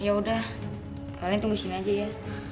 ya udah kalian tunggu sini aja ya